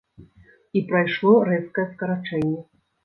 І прайшло рэзкае скарачэнне.